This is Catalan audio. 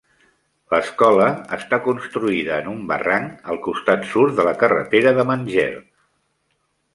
L'escola està construïda en un barranc al costat sud de la carretera de Mangere.